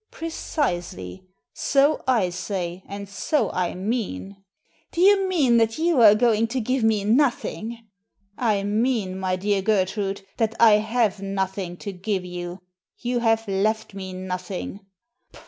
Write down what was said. " Precisely. So I say and so I mean." "Do you mean that you are going to give me nothing ?"" I mean, my dear Gertrude, that I have nothing to give you. You have left me nothing."